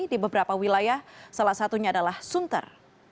di beberapa wilayah salah satunya adalah sunter